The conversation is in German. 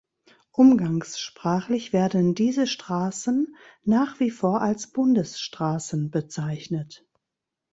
Umgangssprachlich werden diese Straßen nach wie vor als Bundesstraßen bezeichnet.